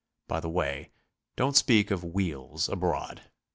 By the way, don't speak of "wheels" abroad.